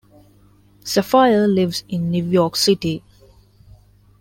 Sapphire lives in New York City.